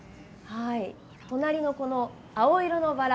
隣の青色のバラ